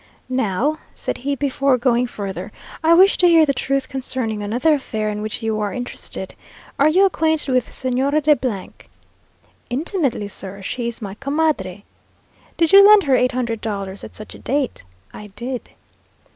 "Now," said he, "before going further, I wish to hear the truth concerning another affair in which you are interested. Are you acquainted with the Señora de ?" "Intimately, sir she is my comadre." "Did you lend her eight hundred dollars, at such a date?" "I did."